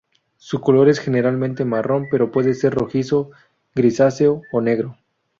Su color es generalmente marrón pero puede ser rojizo, grisáceo o negro.